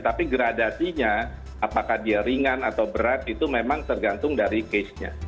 tapi gradasinya apakah dia ringan atau berat itu memang tergantung dari case nya